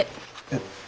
えっ。